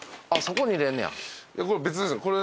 これ別ですよ。